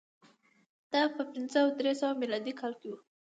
دا په پنځه او درې سوه میلادي کال کې و